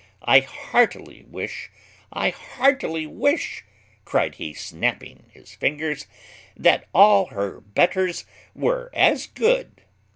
I heartily wish, I heartily wish," cried he (snapping his fingers), "that all her betters were as good."